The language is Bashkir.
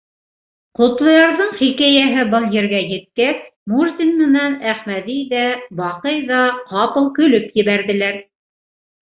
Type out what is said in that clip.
Ҡотлоярҙың хикәйәһе был ергә еткәс, Мурзин менән Әхмәҙи ҙә, Баҡый ҙа ҡапыл көлөп ебәрҙеләр.